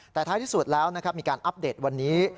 แต่ท้ายที่สุดแล้วนะครับมีการอัปเดตวันนี้